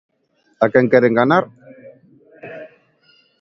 ¿A quen queren enganar?